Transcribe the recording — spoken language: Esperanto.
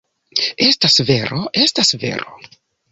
Estas vero, estas vero!